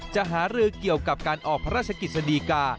หารือเกี่ยวกับการออกพระราชกิจสดีกา